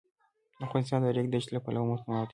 افغانستان د د ریګ دښتې له پلوه متنوع دی.